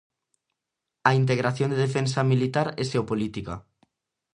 A integración de defensa militar e xeopolítica: